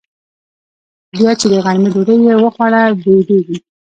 بيا چې د غرمې ډوډۍ يې وخوړه بيدېږي.